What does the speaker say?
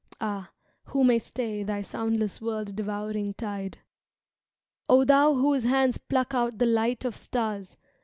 Ah, who may stay Thy soundless world tievouring tide? O thou whose hands pluck out the light of stars.